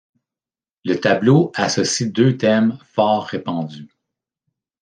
Le tableau associe deux thèmes fort répandus.